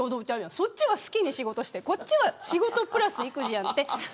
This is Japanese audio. そっちは好きに仕事してこっちは仕事プラス育児やんって。